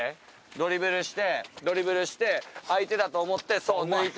ドリブルしてドリブルして相手だと思ってそう抜いて。